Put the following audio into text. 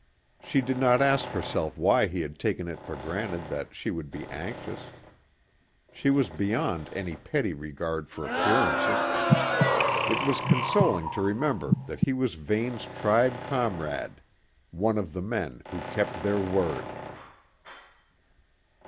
She did not ask herself why he had taken it for granted that she would be anxious; she was beyond any petty regard for appearances. It was consoling to remember that he was Vane's tried comrade; one of the men who kept their word.